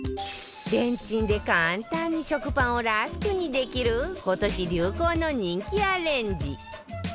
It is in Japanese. レンチンで簡単に食パンをラスクにできる今年流行の人気アレンジ